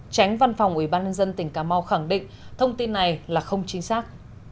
tránh văn phòng ủy ban nhân dân tỉnh cà mau khẳng định thông tin này là không chính xác